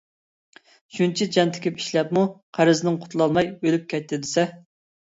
شۇنچە جان تىكىپ ئىشلەپمۇ قەرزدىن قۇتۇلالماي ئۆلۈپ كەتتى دېسە.